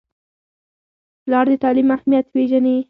پلار د تعلیم اهمیت پیژني.